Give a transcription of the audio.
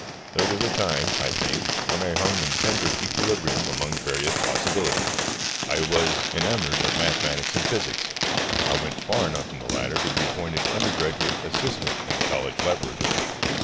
There was a time, I think, when I hung in tender equilibrium among various possibilities. I was enamoured of mathematics and physics: I went far enough in the latter to be appointed undergraduate assistant in the college laboratory.